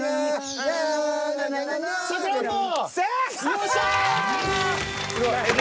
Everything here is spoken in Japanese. よっしゃ！